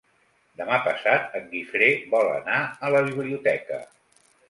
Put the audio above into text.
Demà passat en Guifré vol anar a la biblioteca.